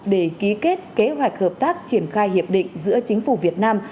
để ký kết kế hoạch hợp tác triển khai hiệp định giữa chính phủ việt nam